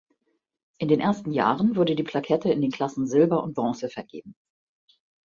In den ersten Jahren wurde die Plakette in den Klassen Silber und Bronze vergeben.